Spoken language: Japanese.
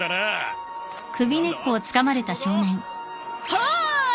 はい！